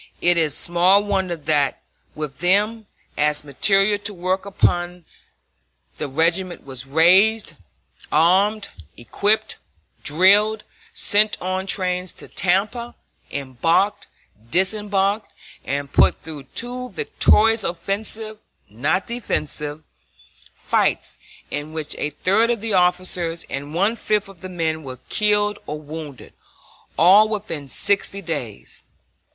It is small wonder that with them as material to work upon the regiment was raised, armed, equipped, drilled, sent on trains to Tampa, embarked, disembarked, and put through two victorious offensive not defensive fights in which a third of the officers and one fifth of the men were killed or wounded, all within sixty days.